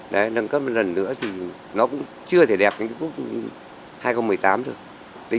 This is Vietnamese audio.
nâng cấp một lần nữa thì nó cũng chưa thể đẹp như cái cúp hai nghìn một mươi tám rồi